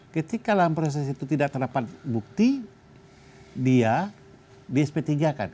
ketika dalam proses itu tidak terdapat bukti dia di sp tiga kan